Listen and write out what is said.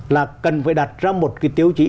là cần phải đặt ra một cái tiêu chí